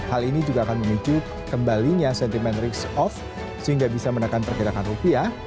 hal ini juga akan memicu kembalinya sentimen risk off sehingga bisa menekan pergerakan rupiah